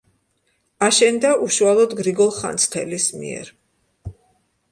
აშენდა უშუალოდ გრიგოლ ხანძთელის მიერ.